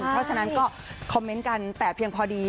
เพราะฉะนั้นก็คอมเมนต์กันแต่เพียงพอดี